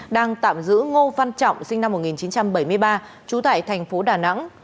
đang tạm giữ ngô văn trọng sinh năm một nghìn chín trăm bảy mươi ba trú tại thành phố đà nẵng